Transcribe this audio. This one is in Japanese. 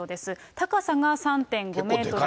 高さが３．５メートル。